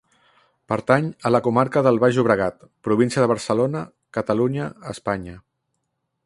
Pertany a la comarca del Baix Llobregat, província de Barcelona, Catalunya, Espanya.